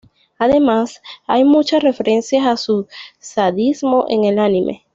Además, hay muchas referencias a su sadismo en el anime.